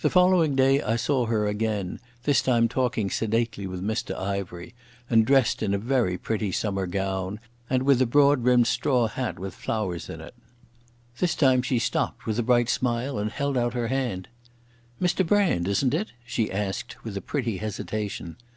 The following day I saw her again, this time talking sedately with Mr Ivery, and dressed in a very pretty summer gown, and a broad brimmed straw hat with flowers in it. This time she stopped with a bright smile and held out her hand. "Mr Brand, isn't it?" she asked with a pretty hesitation.